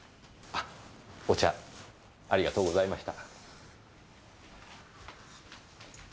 お茶ありがとうございました。